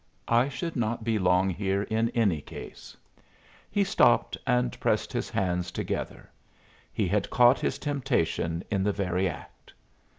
I should not be long here in any case." He stopped and pressed his hands together; he had caught his temptation in the very act.